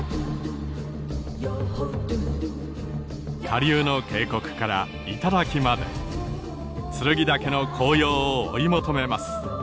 下流の渓谷から頂まで剱岳の紅葉を追い求めます。